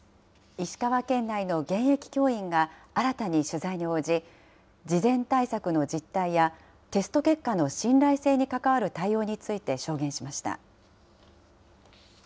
石川県内の現役教員が新たに取材に応じ、事前対策の実態や、テスト結果の信頼性に関わる対応について証言しました。